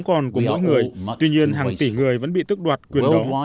nước đem được về thì cũng không còn của mỗi người tuy nhiên hàng tỷ người vẫn bị tức đoạt quyền đổ